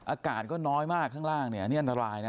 อากาศก็น้อยมากข้างล่างเนี่ยอันนี้อันตรายนะ